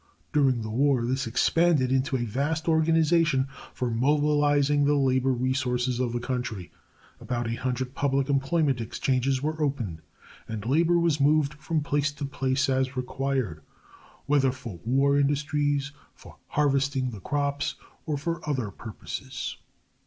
During the war this expanded into a vast organization for mobilizing the labor resources of the country. About eight hundred public employment exchanges were opened, and labor was moved from place to place as required, whether for war industries, for harvesting the crops, or for other purposes.